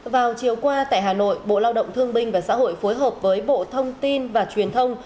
vào chiều qua tại hà nội bộ lao động thương binh và xã hội phối hợp với bộ thông tin và truyền thông